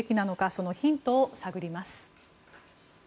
そのヒントを探ります。